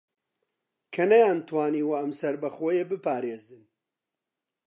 کە نەیانتوانیوە ئەم سەربەخۆیییە بپارێزن